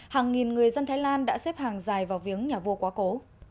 hàng nghìn người dân thái lan đã xếp hàng dài vào viếng nhà vua quá cố